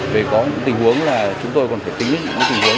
về có tình huống là chúng tôi còn phải tính